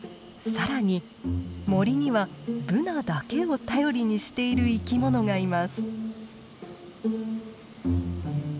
更に森にはブナだけを頼りにしている生き物がいます。